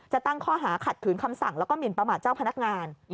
ตั้งข้อหาขัดขืนคำสั่งแล้วก็หมินประมาทเจ้าพนักงาน